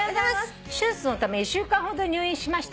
「手術のため１週間ほど入院しました」